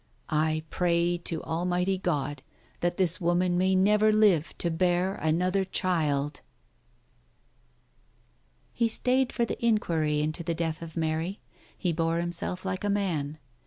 "I pray to r Almighty God that this woman may never live to bear another child !"••••••• He stayed for the inquiry into the death of Mary; he bore himself like a man.